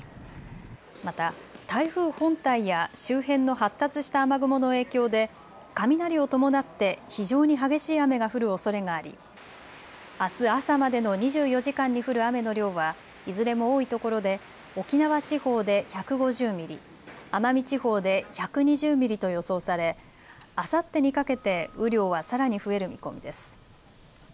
また台風本体や周辺の発達した雨雲の影響で雷を伴って非常に激しい雨が降るおそれがありあす朝までの２４時間に降る雨の量はいずれも多いところで沖縄地方で１５０ミリ、奄美地方で１２０ミリと予想されあさってにかけて雨量はさらに増える見込みです。